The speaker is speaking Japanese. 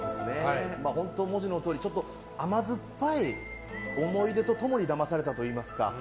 本当、文字のとおり甘酸っぱい思い出と共にだまされたといいますか。